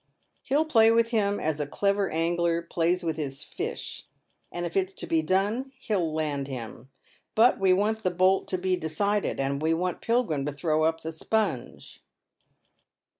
He'll play with him as a clever angler plays with his fish, and if it's to be done, he'll land hinu But we want the bolt to be decided, we want Pilgrim to throw up the sponge.